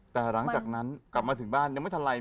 แต่หลังจากนั้นกลับมาถึงบ้านยังไม่ทันไร